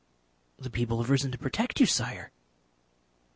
"The people have risen to protect you, Sire.